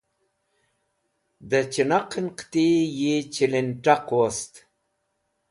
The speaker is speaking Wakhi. da chinaq'en qiti yi chilint̃aq wost